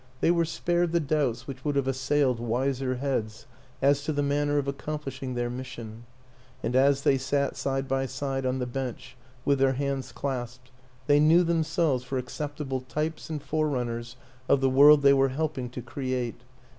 They were spared the doubts which would have assailed wiser heads as to the manner of accomplishing their mission; and as they sat side by side on the bench, with their hands clasped, they knew themselves for accept able types and forerunners of the world they were helping to create.